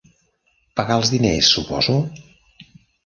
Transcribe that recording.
Pagar els diners, suposo?